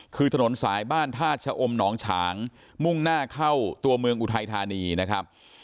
คือถนนสายบ้านท่าชะอมหนองฉางมุ่งหน้าเข้าตัวเมืองอุทัยธานีนะครับ